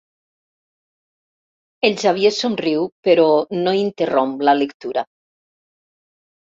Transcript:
El Xavier somriu, però no interromp la lectura.